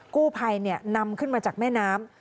กู้ภัยนำขึ้นมาจากแม่น้ำ